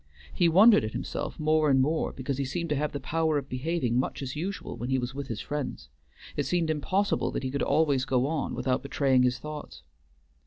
He wondered at himself more and more because he seemed to have the power of behaving much as usual when he was with his friends; it seemed impossible that he could always go on without betraying his thoughts.